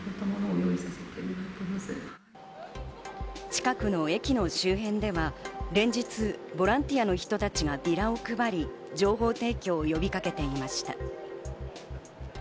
近くの駅の周辺では連日ボランティアの人たちがビラを配り、情報提供を呼びかけていました。